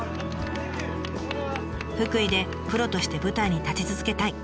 「福井でプロとして舞台に立ち続けたい」。